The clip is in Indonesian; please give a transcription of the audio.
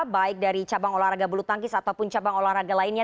baik dari cabang olahraga belutangkis ataupun cabang olahraga lainnya